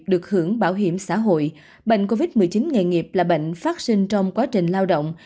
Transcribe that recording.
được hưởng bảo hiểm xã hội bệnh covid một mươi chín nghề nghiệp là bệnh phát sinh trong quá trình lao động